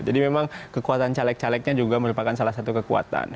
jadi memang kekuatan caleg calegnya juga merupakan salah satu kekuatan